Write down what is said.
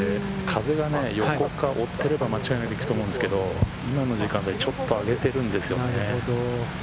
風がね、横から追っていれば間違いなく行くと思うんですけど、ちょっと上げてるんですよね。